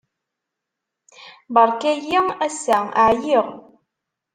Beṛka-iyi ass-a. ɛyiɣ.